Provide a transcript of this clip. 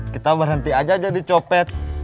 kita berhenti aja jadi copet